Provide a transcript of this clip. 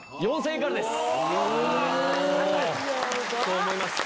そう思います！